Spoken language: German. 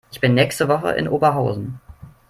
Ich bin nächste Woche in Oberhausen